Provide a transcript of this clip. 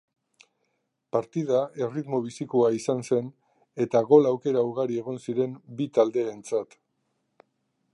Partida erritmo bizikoa izan zen eta gol aukera ugari egon ziren bi taldeentzat.